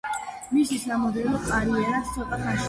მისი სამოდელო კარიერაც ცოტა ხანში დაიწყო.